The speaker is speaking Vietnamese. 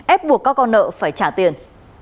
ép buộc các con nợ phải trả tiền